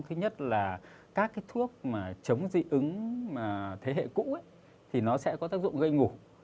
thứ nhất nó sẽ có tác dụng gây ngủ